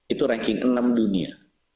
itu ranking enam dunia